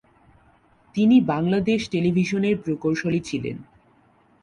তিনি বাংলাদেশ টেলিভিশনের প্রকৌশলী ছিলেন।